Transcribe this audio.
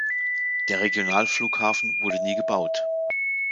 Der Regionalflughafen wurde nie gebaut.